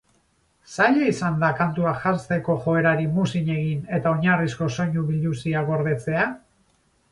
Zaila izan da kantuak janzteko joerari muzin egin eta oinarrizko soinu biluzia gordetzea?